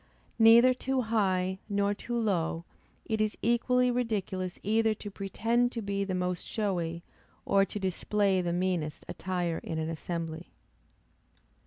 Neither too high, nor too low; it is equally ridiculous either to pretend to be the most showy, or to display the meanest attire in an assembly.